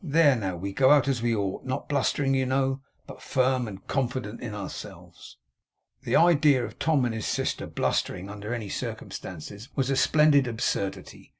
There! Now we go out as we ought. Not blustering, you know, but firm and confident in ourselves.' The idea of Tom and his sister blustering, under any circumstances, was a splendid absurdity.